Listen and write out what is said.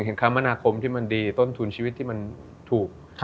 คมนาคมที่มันดีต้นทุนชีวิตที่มันถูก